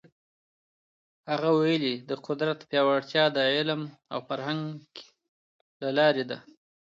هغه ویلي، د قدرت پیاوړتیا د علم او فرهنګ له لاري ده.